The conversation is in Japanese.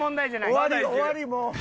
終わり終わりもう。